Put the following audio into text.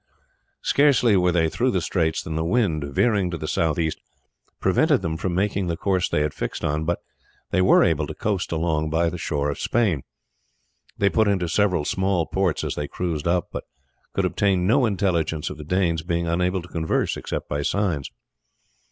Scarcely were they through the straits than the wind, veering to the south east, prevented them from making the course they had fixed upon, but they were able to coast along by the shore of Spain. They put into several small ports as they cruised up, but could obtain no intelligence of the Danes, being unable to converse except by signs.